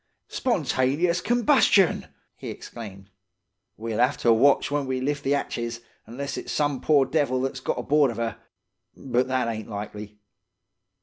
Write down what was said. "'Spontaneous combustion!' he exclaimed. 'We'll 'ave to watch when we lift the 'atches, 'nless it's some poor devil that's got aboard of 'er. But that ain't likely.